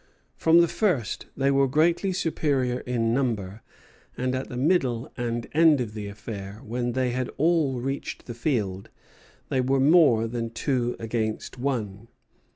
From the first they were greatly superior in number, and at the middle and end of the affair, when they had all reached the field, they were more than two against one.